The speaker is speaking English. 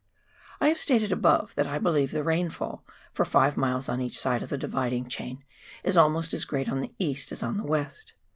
I have stated above that I believe the rainfall, for five miles on each side of the Dividing chain, is almost as great on the east as on the west.